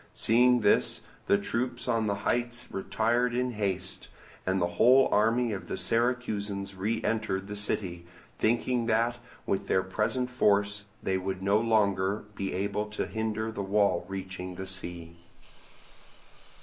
Seeing this, the troops on the heights retired in haste, and the whole army of the Syracusans re entered the city, thinking that with their present force they would no longer be able to hinder the wall reaching the sea.